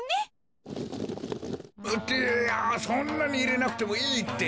ってあそんなにいれなくてもいいって。